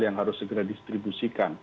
yang harus segera distribusi